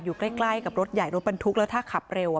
อยู่ใกล้กับรถใหญ่รถบรรทุกแล้วถ้าขับเร็วอ่ะ